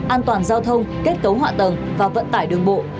an toàn giao thông kết cấu hạ tầng và vận tải đường bộ